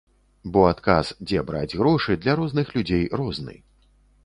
Бо адказ, дзе браць грошы, для розных людзей розны.